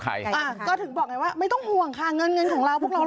ก็ถึงบอกไงว่าไม่ต้องห่วงค่ะเงินเงินของเราพวกเรา